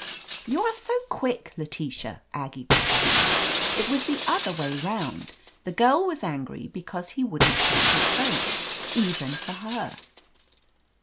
"You are so quick, Letitia," Aggie protested. "It was the other way round. The girl was angry because he wouldn't sell his vote, even for her."